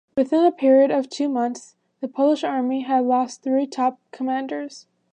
Within a period of two months, the Polish Army had lost three top commanders.